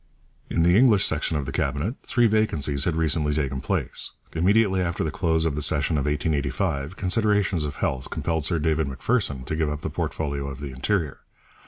In the English section of the Cabinet three vacancies had recently taken place. Immediately after the close of the session of 1885 considerations of health compelled Sir David Macpherson to give up the portfolio of the Interior.